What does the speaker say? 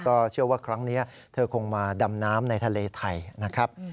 ก็เชื่อว่าครั้งนี้เธอคงมาดำน้ำในทะเลไทยนะครับ